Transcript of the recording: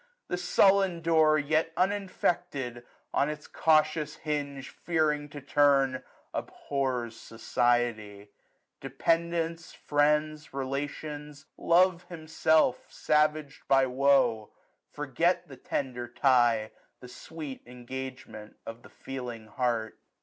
The sullen door, Yet uninfected, on its cautious hinge Fearing to turn, abhors society : Dependants, friends, relations. Love himself, 1080 Savag'd by woe, forget the tender tie, The sweet engagement of the feeling heart.